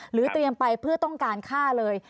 เตรียมไปเพื่อต้องการฆ่าเลย